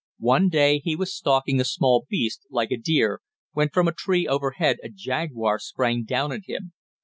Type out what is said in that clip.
One day he was stalking a small beast, like a deer, when, from a tree overhead, a jaguar sprang down at him.